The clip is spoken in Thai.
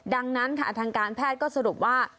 ดังนั้นค่ะทางการแพทย์ก็สรุปว่า